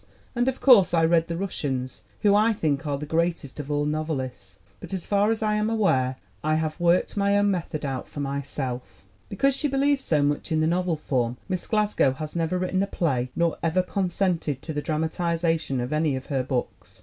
And of course I read the Russians, who, I think, are the greatest of all novelists. But as far as I am aware, I have worked my own method out for myself. " Because she believes so much in the novel form, Miss Glasgow has never written a play nor ever con sented to the dramatization of any of her books.